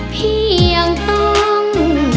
พี่ยังต้อง